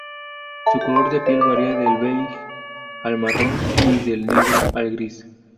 Su color de piel varía del beige al marrón y del negro al gris.